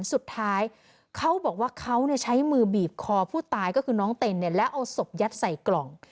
สุดท้ายเขาบอกว่าเขาใช้มือบีบคอผู้ตายก็คือน้องเต้นเนี่ยแล้วเอาศพยัดใส่กล่อง